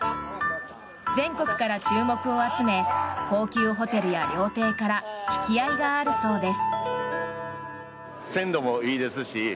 全国から注目を集め高級ホテルや料亭から引き合いがあるそうです。